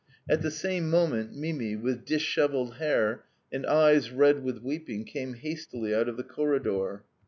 At the same moment Mimi, with dishevelled hair and eyes red with weeping came hastily out of the corridor.